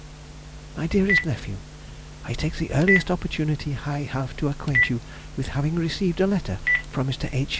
MY DEAREST NEPHEW,— I take the earliest opportunity I have to acquaint you with having received a letter from Mr. H.